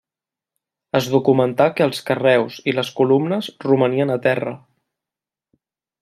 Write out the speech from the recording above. Es documentà que els carreus i les columnes romanien a terra.